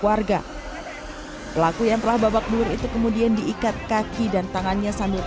warga pelaku yang telah babak belur itu kemudian diikat kaki dan tangannya sambil